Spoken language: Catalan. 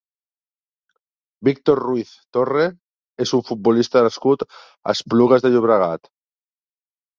Víctor Ruiz Torre és un futbolista nascut a Esplugues de Llobregat.